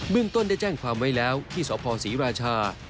เรื่องต้นได้แจ้งความไว้แล้วที่สพศรีราชา